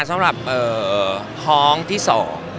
สำหรับท้องที่สอง